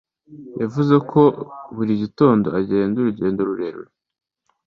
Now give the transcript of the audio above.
Yavuze ko buri gitondo agenda urugendo rurerure.